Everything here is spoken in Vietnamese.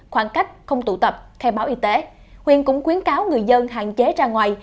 khoảng cách không tụ tập khe báo y tế huyện cũng quyến cáo người dân hạn chế ra ngoài